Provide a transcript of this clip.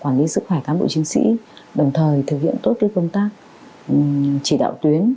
quản lý sức khỏe cán bộ chiến sĩ đồng thời thực hiện tốt công tác chỉ đạo tuyến